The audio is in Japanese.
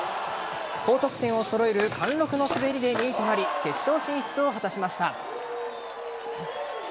高得点を揃える貫禄の滑りで２位となり決勝進出を果たしました。